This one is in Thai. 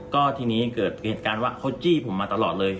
ก็ทีนี้เกิดเหตุการณ์ว่าเขาจี้ผมมาตลอดเลย